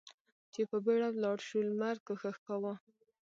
چې په بېړه ولاړ شو، لمر کوښښ کاوه.